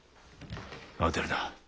慌てるな。